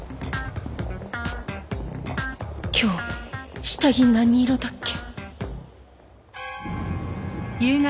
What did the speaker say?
今日下着何色だっけ？